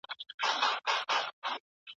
ميرويس خان نيکه څنګه د خلګو ملاتړ راټول کړ؟